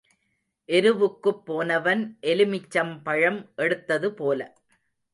எருவுக்குப் போனவன் எலுமிச்சம் பழம் எடுத்தது போல.